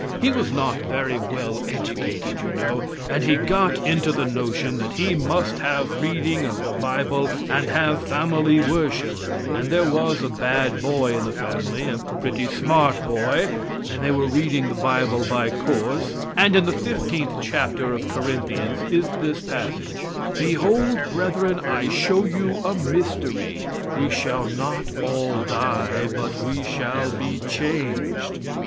He was not very well educated, you know, and he got into the notion that he must have reading of the bible and have family worship; and there was a bad boy in the family a pretty smart boy and they were reading the bible by course, and in the fifteenth chapter of Corinthians is this passage: "Behold, brethren, I show you a mystery; we shall not all die, but we shall be changed."